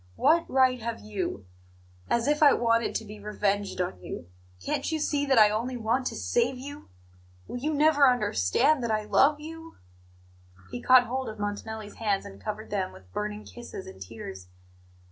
What right have you As if I wanted to be revenged on you! Can't you see that I only want to save you? Will you never understand that I love you?" He caught hold of Montanelli's hands and covered them with burning kisses and tears.